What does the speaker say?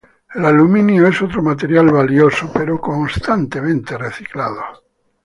El aluminio es otro material valioso pero constantemente reciclado.